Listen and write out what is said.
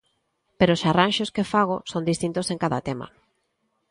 Pero os arranxos que fago son distintos en cada tema.